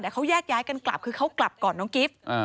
เขาแยกย้ายกันกลับคือเขากลับก่อนน้องกิฟต์